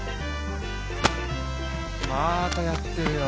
またやってるよ。